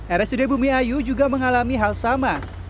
area sudabumi ayu juga mengalami hal sama